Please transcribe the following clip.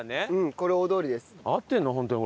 これ大通りです。